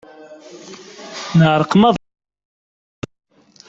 Neεreq maḍi.